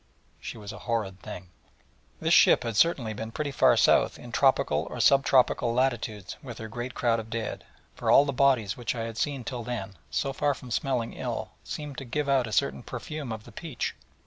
She was a horrid thing. This ship had certainly been pretty far south in tropical or sub tropical latitudes with her great crowd of dead: for all the bodies which I had seen till then, so far from smelling ill, seemed to give out a certain perfume of the peach.